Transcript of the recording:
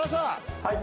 はい。